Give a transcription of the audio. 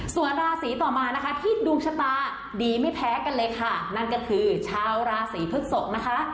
ส่วนราศีต่อมานะคะที่ดวงชะตาดีไม่แพ้กันเลยค่ะนั่นก็คือชาวราศีพฤกษกนะคะ